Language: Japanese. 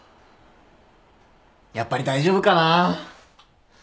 やっぱり大丈夫かな。